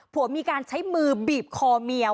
ผัวมีการใช้มือบีบคอเมียว